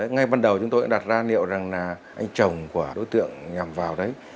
ngay ban đầu chúng tôi đã đặt ra liệu rằng là anh chồng của đối tượng nhằm vào đấy